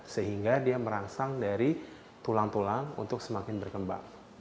sehingga dia merangsang dari tulang tulang untuk semakin berkembang